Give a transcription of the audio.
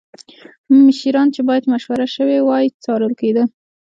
مشیران چې باید مشوره شوې وای څارل کېدل